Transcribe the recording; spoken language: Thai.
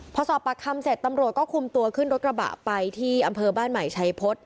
พอสอบปากคำเสร็จตำรวจก็คุมตัวขึ้นรถกระบะไปที่อำเภอบ้านใหม่ชัยพฤษ